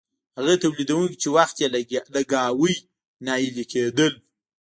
هغه تولیدونکي چې وخت یې لګاوه ناهیلي کیدل.